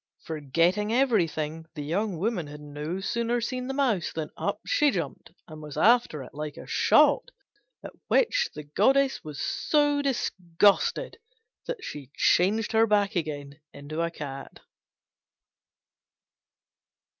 Forgetting everything, the young woman had no sooner seen the mouse than up she jumped and was after it like a shot: at which the goddess was so disgusted that she changed her back again into a Cat.